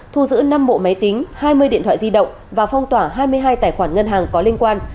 thu giữ năm bộ máy tính hai mươi điện thoại di động và phong tỏa hai mươi hai tài khoản ngân hàng có liên quan